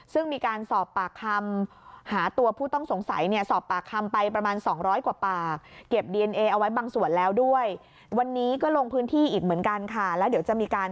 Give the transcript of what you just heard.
ซึ่งมีการสอบปากคำ